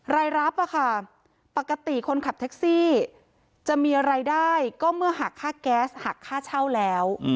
รายรับปกติคนขับแท็กซี่จะมีรายได้ก็เมื่อหักค่าแก๊สหักค่าเช่าแล้ว